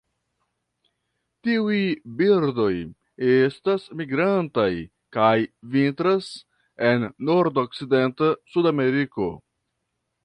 Tiuj birdoj estas migrantaj kaj vintras en nordokcidenta Sudameriko.